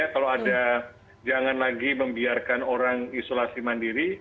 kalau ada jangan lagi membiarkan orang isolasi mandiri